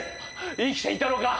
生きていたのか！